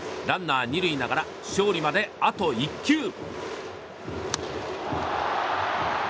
ランナー２塁ながら勝利まであと１球。